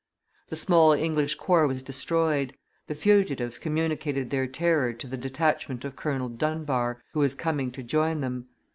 The small English corps was destroyed; the fugitives communicated their terror to the detachment of Colonel Dunbar, who was coming to join them.